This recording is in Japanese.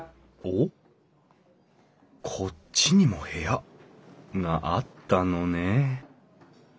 おっこっちにも部屋があったのね。